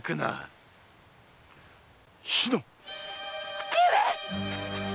父上！